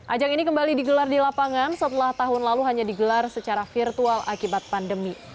ajang ini kembali digelar di lapangan setelah tahun lalu hanya digelar secara virtual akibat pandemi